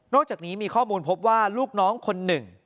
นอกจากนี้มีข้อมูลพบว่าลูกน้องคน๑